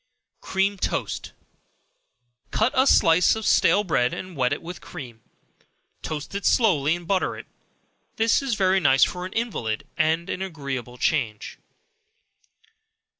Cream Toast. Cut a slice of stale bread, and wet it with cream; toast it slowly and butter it; this is very nice for an invalid, and an agreeable change.